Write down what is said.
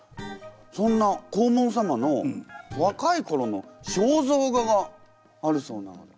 そんな黄門様の若いころの肖像画があるそうなので。